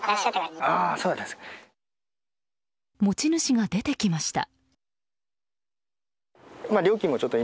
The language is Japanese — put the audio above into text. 持ち主が出てきました。